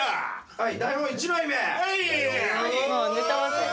はい！